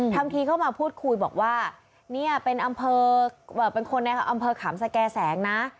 ทำทีเข้ามาพูดคุยบอกว่าเป็นคนในอำเภอขามสะแก่แสงนะ